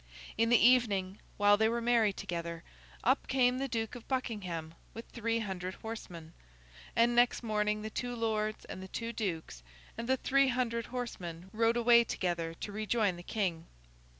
In the evening, while they were merry together, up came the Duke of Buckingham with three hundred horsemen; and next morning the two lords and the two dukes, and the three hundred horsemen, rode away together to rejoin the King.